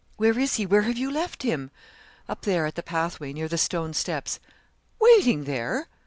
'Where is he? Where have you left him?' 'Up there, at the pathway, near the stone steps.' 'Waiting there?'